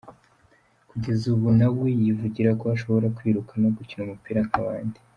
Kugeza ubu na we yivugira ko ashobora kwiruka no gukina umupira nk’abandi.